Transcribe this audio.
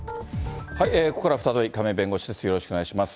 ここからは再び、亀井弁護士です。